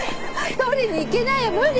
取りに行けないよ無理